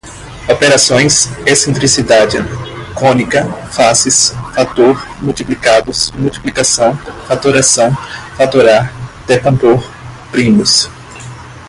operações, excentrincidade, cônica, faces, fator, multiplicados, multiplicação, fatoração, fatorar, decompor, primos